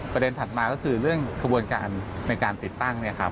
ประเด็นถัดมาก็คือเรื่องขบวนการในการติดตั้ง